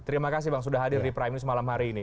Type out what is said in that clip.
terima kasih bang sudah hadir di prime news malam hari ini